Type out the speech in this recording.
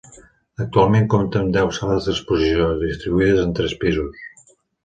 Actualment compta amb deu sales d'exposició, distribuïdes en tres pisos.